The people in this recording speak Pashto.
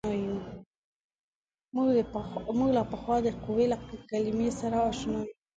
موږ له پخوا د قوې د کلمې سره اشنا یو.